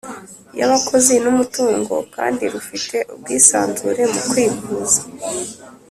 y abakozi n umutungo kandi rufite ubwisanzure mukwivuza